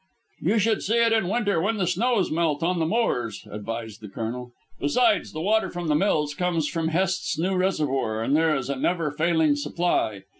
"You should see it in winter when the snows melt on the moors," advised the Colonel. "Besides, the water from the mills comes from Hest's new reservoir, and there is a never failing supply.